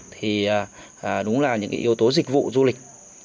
thì đúng là những yếu tố dịch vụ du lịch